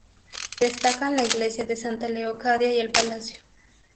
Destacan la iglesia de Santa Leocadia y el Palacio.